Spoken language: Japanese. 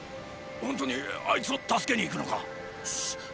ほんとにあいつを助けに行くのか⁉しっ！